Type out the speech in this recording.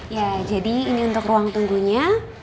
ya jadi ini untuk ruang tunggunya